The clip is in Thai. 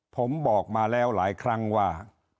ผมบอกมาแล้วหลายครั้งว่า